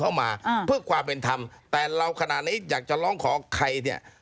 มาอ่าเพื่อความเป็นธรรมแต่เราขณะนี้อยากจะร้องขอใครเนี่ย